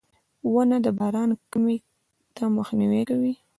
• ونه د باران کمي ته مخنیوی کوي.